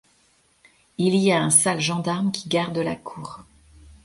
Il y a un sale gendarme qui garde la cour.